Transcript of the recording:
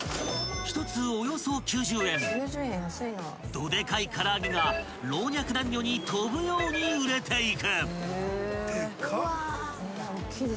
［どでかいから揚げが老若男女に飛ぶように売れていく］